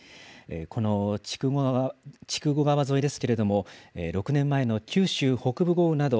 この筑後川沿いですけれども、６年前の九州北部豪雨など、